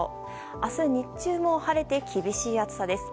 明日、日中も晴れて厳しい暑さです。